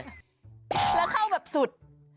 แล้วเข้าแบบสุด